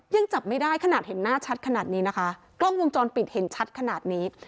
ยังจับไม่ได้ขนาดเห็นหน้าชัดขนาดนี้นะคะกล้องวงจรปิดเห็นชัดขนาดนี้